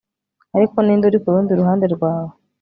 Ariko ninde uri kurundi ruhande rwawe